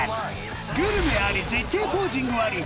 グルメあり絶景ポージングあり